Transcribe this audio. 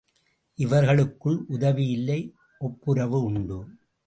இவர்களுக்குள் உதவி இல்லை ஒப்புரவு உண்டு.